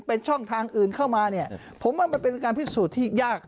เป็นช่องทางอื่นเข้ามาเนี่ยผมว่ามันเป็นการพิสูจน์ที่ยาก